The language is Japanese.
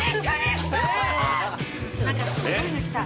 何かすごいの来た。